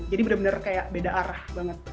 jadi bener bener kayak beda arah banget